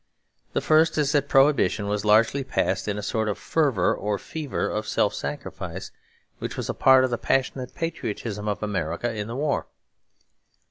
The first is that Prohibition was largely passed in a sort of fervour or fever of self sacrifice, which was a part of the passionate patriotism of America in the war.